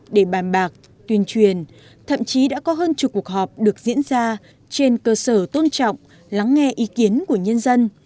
để bàn bạc tuyên truyền thậm chí đã có hơn chục cuộc họp được diễn ra trên cơ sở tôn trọng lắng nghe ý kiến của nhân dân